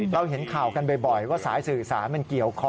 เราเห็นข่าวกันบ่อยว่าสายสื่อสารมันเกี่ยวคอ